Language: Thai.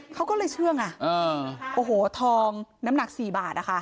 เขาก็เลยเชื่องอ่ะโอ้โหทองน้ำหนัก๔บาทนะคะ